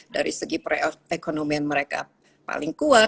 dari segi perekonomian mereka paling kuat